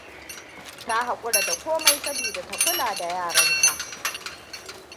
Ta haƙura da komai sabida ta kula yaranta.